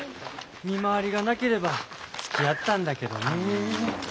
見回りがなければつきあったんだけどねえ。